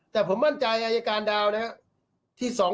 แต่ผมมั่นใจอายการดาวนะครับ